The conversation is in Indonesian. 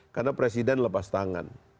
karena presiden lepas tangan